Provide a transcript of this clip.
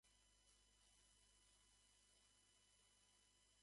わぁ！素敵なプレゼントをありがとう！